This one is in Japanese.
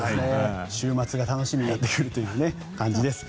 週末が楽しみになってくるという感じです。